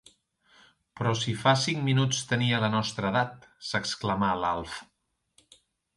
Però si fa cinc minuts tenia la nostra edat —s'exclamà l'Alf—.